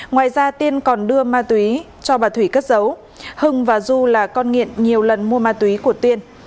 ngoài ra tiên còn đưa ma túy cho bà thủy cất giấu hưng và du là con nghiện nhiều lần mua ma túy của tiên